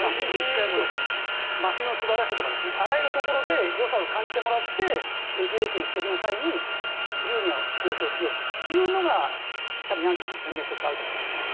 街の素晴らしさとかあらゆるところでよさを感じてもらってＦＡ権取得の際に有利な交渉をしようというのがヤンキースの戦略としてあると思うんですね。